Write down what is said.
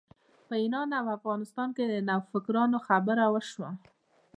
په ایران او افغانستان کې د نوفکرانو خبره وشوه.